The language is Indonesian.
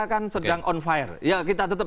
kan sedang on fire ya kita tetap